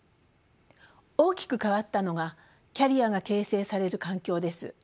大きく変わったのがキャリアが形成される環境です。